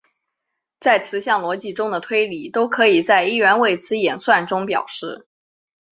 在词项逻辑中的推理都可以在一元谓词演算中表示。